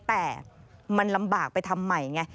แต่มันลำบากไปทำใหม่ไง